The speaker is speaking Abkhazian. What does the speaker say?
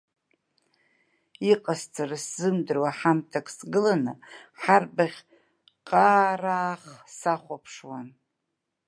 Иҟасҵара сзымдыруа ҳамҭак сгыланы ҳарбаӷь ҟаараах сахәаԥшуан.